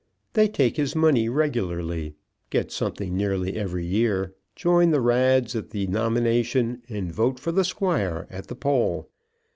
They take his money regularly, get something nearly every year, join the rads at the nomination, and vote for the squire at the poll.